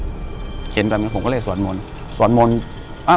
กุมารพายคือเหมือนกับว่าเขาจะมีอิทธิฤทธิ์ที่เยอะกว่ากุมารทองธรรมดา